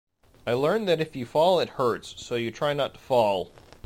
I learned that if you fall it hurts, so you try not to fall.